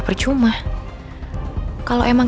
terima kasih ma